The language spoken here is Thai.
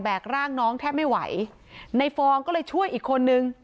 กร่างน้องแทบไม่ไหวในฟองก็เลยช่วยอีกคนนึง